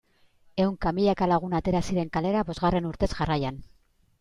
Ehunka milaka lagun atera ziren kalera bosgarren urtez jarraian.